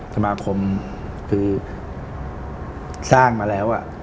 สมาคมคือสร้างมาแล้ว